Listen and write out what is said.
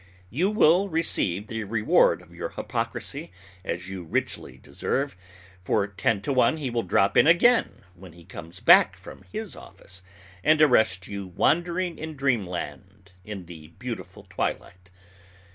You will receive the reward of your hypocrisy, as you richly deserve, for ten to one he will drop in again when he comes back from his office, and arrest you wandering in Dreamland in the beautiful twilight.